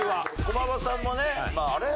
駒場さんもねあれ？